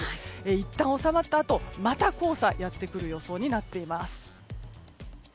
いったん収まったあとまた黄砂がやってくる予想になっています。